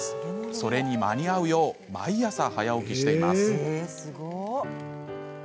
それに間に合うよう毎朝早起きしています。